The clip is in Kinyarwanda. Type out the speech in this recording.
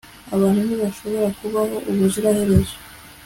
Abantu ntibashobora kubaho ubuziraherezo